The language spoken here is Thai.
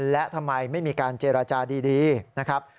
และทำไมไม่มีการเจรจาดีนะครับ